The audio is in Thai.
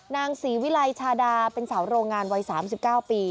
นางศรีวิลัยชาดาเป็นสาวโรงงานวัย๓๙ปี